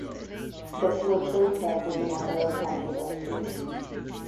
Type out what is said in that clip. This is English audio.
The political effect is a matter of controversy.